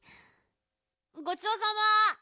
ごちそうさま。